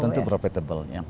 tentu profitable ya